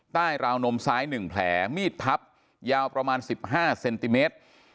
ใต้ราวนมซ้ายหนึ่งแผลมีดพับยาวประมาณสิบห้าเซนติเมตร